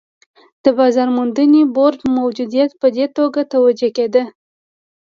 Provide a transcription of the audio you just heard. د بازار موندنې بورډ موجودیت په دې توګه توجیه کېده.